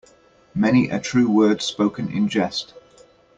Many a true word spoken in jest.